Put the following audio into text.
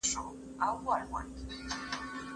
زه اجازه لرم چي منډه ووهم؟!